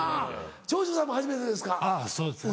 長州さんも初めてですか？